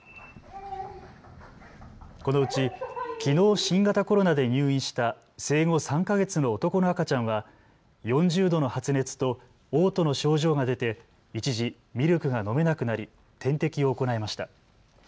このうちきのう新型コロナで入院した生後３か月の男の赤ちゃんは４０度の発熱とおう吐の症状が出て一時、ミルクが飲めなくなり点滴を行いました。